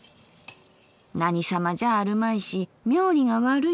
『なに様じゃあるまいし冥利が悪いよ。